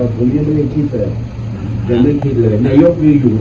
ผมยังไม่คิดเลย